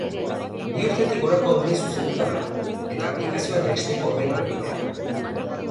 Bi urtetik gorako haurrei zuzenduta dago eta aplikazioa jaisteko ordaindu egin behar da.